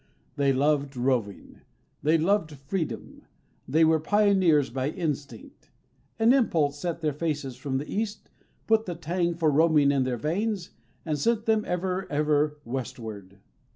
They loved roving; they loved freedom; they were pioneers by instinct; an impulse set their faces from the East, put the tang for roaming in their veins, and sent them ever, ever westward.